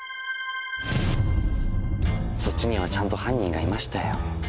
そっちにはちゃんと犯人がいましたよ。